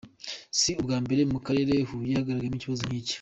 Si ubwa mbere mu Karere ka Huye hagaragaye ikibazo nk’iki.